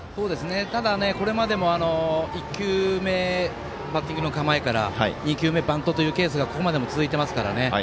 ただこれまでも１球目バッティングの構えから２球目、バントというケースがここまでも続いてますから。